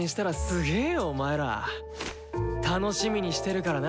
楽しみにしてるからな。